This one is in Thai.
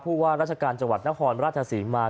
ว่าราชการจังหวัดนครราชศรีมา